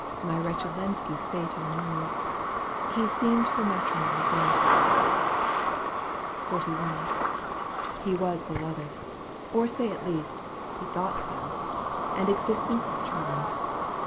My wretched Lenski's fate I mourn. He seemed for matrimony bom, ХЫ. He was beloved : or say at least, He thought so, and existence charmed.